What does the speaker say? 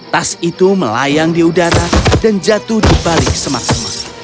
tas itu melayang di udara dan jatuh di balik semak semak